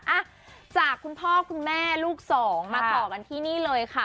อ่ะจากคุณพ่อคุณแม่ลูกสองมาต่อกันที่นี่เลยค่ะ